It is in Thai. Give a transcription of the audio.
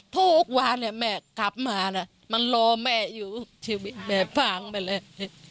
โทษว่าแม่กลับมามันรอแม่อยู่ชีวิตแม่ฟังไปเลย